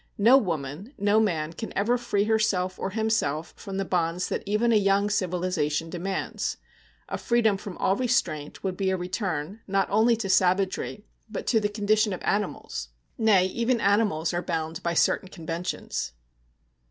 No woman, no man, can ever free herself or himself from the bonds that even a young civilization demands. A freedom from all restraint would be a return, not only to savagery, but to the condition of animals nay, even animals are bound by certain conventions.